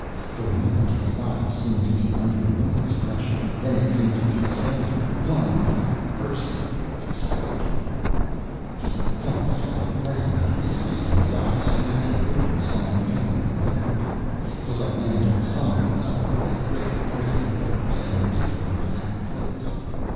For a moment his body seemed to be under enormous pressure, then it seemed to be expanding, flying apart, bursting, exploding.... He felt solid ground under his feet, and his eyes, snapping open, saw an alien land. It was a land of somber color, with great gray moors, and beetling black cliffs.